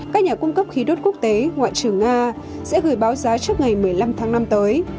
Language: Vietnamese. các nhà cung cấp khí đốt quốc tế ngoại trưởng nga sẽ gửi báo giá trước ngày một mươi năm tháng năm tới